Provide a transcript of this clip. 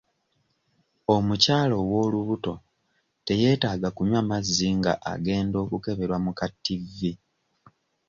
Omukyala ow'olubuto teyeetaaga kunywa mazzi nga agenda okukeberwa mu ka tivi.